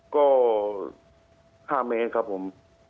ก็๕เมตรครับผม